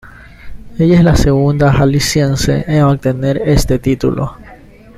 Ella es la Segunda Jalisciense en obtener este título.